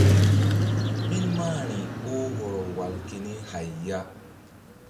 Ɓil mahri oh hɔrɔ wal keni hay ya.